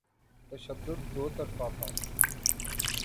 تشدد دوطرفہ تھا۔